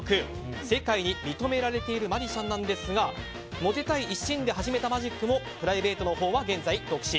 世界に認められているマジシャンなんですがモテたい一心で始めたマジックもプライベートのほうは現在独身。